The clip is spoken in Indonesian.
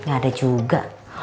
nggak ada juga